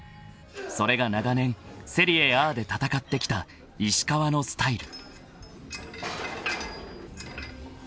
［それが長年セリエＡで戦ってきた石川のスタイル］